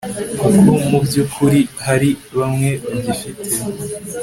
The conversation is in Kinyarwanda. kuko mu by'ukuri hari bamwe bagifite